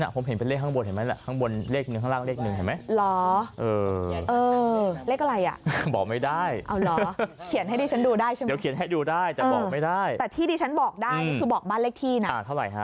ผมเห็นเป็นเลขข้างบนเห็นไหมล่ะข้างบนเลขหนึ่งข้างล่างเลขหนึ่งเห็นไหม